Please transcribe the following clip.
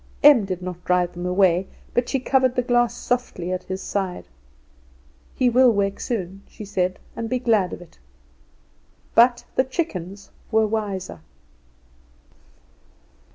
Em did not drive them away; but she covered the glass softly at his side. "He will wake soon," she said, "and be glad of it." But the chickens were wiser.